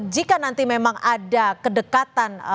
jika nanti memang ada kedekatan